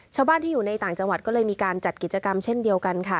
ชาวบ้านที่อยู่ในต่างจังหวัดก็เลยมีการจัดกิจกรรมเช่นเดียวกันค่ะ